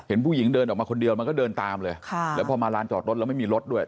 เห็นผู้หญิงเดินออกมาคนเดียวมันก็เดินตามเลยค่ะแล้วพอมาลานจอดรถแล้วไม่มีรถด้วย